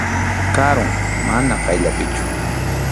Karum, mana qayllapichu.